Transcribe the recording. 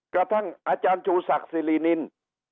กระทั่งอาจารย์ชูศักดิ์สิรินิน